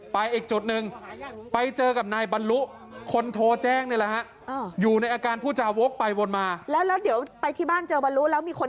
ไปอีกจุดนึงอยากหาอย่างเป็นเจอกับนายบรรลุ